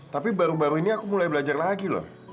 tapi baru baru ini aku mulai belajar lagi loh